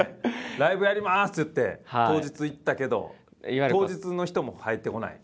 「ライブやります」って言って当日行ったけど当日の人も入ってこない？